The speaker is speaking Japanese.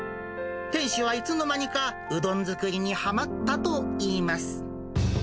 店主はいつの間にか、うどん作りにはまったといいます。